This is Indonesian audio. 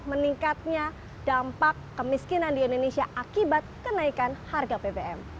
meningkatnya dampak kemiskinan di indonesia akibat kenaikan harga bbm